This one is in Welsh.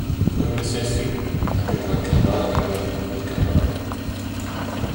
Rwy'n asesu ac yn rhoi cyngor ariannol i'r cyhoedd